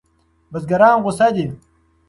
بزګران غوسه دي.